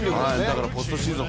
だからポストシーズン